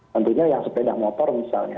tentunya yang sepeda motor misalnya